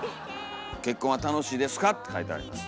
「結婚はたのしいですか？」って書いてあります。